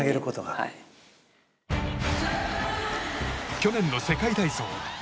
去年の世界体操。